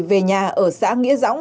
về nhà ở xã nghĩa dõng